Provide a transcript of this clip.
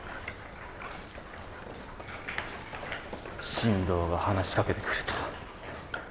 進藤が話しかけてくるとは。